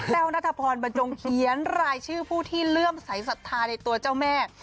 นัทพรบรรจงเขียนรายชื่อผู้ที่เลื่อมใสสัทธาในตัวเจ้าแม่